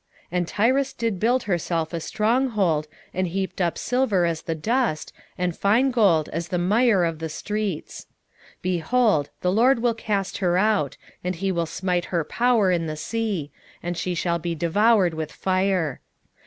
9:3 And Tyrus did build herself a strong hold, and heaped up silver as the dust, and fine gold as the mire of the streets. 9:4 Behold, the LORD will cast her out, and he will smite her power in the sea; and she shall be devoured with fire.